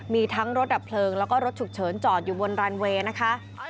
มีทั้งรถดับเพลิงแล้วก็รถฉุกเฉินจอดอยู่บนรันเวย์นะคะ